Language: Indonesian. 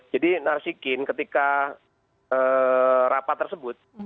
jadi narsikin ketika rapat tersebut